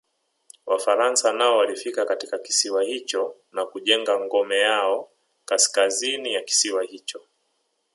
Wafaransa nao walifika katika kisiwa hicho na kujenga ngome yao Kaskazini ya kisiwa hicho